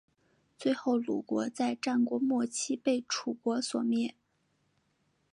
最后鲁国在战国末期被楚国所灭。